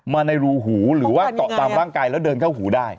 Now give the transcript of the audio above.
มาในรูหูหรือว่าเกาะตามร่างกายแล้วเดินเข้าหูได้